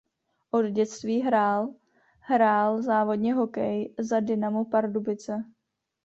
Od dětství hrál hrál závodně hokej za Dynamo Pardubice.